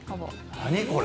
何これ？